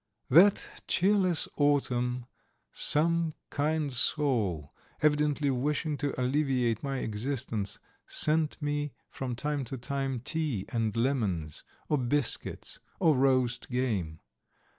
That cheerless autumn some kind soul, evidently wishing to alleviate my existence, sent me from time to time tea and lemons, or biscuits, or roast game.